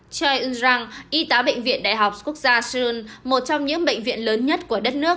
choi eun rang y tá bệnh viện đại học quốc gia seoul một trong những bệnh viện lớn nhất của đất nước